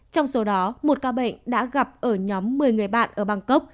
trong số đó một ca bệnh đã gặp ở nhóm một mươi người bạn ở bangkok